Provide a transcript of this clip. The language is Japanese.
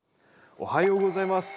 おはようございます。